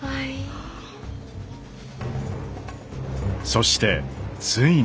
そしてついに。